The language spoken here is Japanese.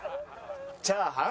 チャーハン。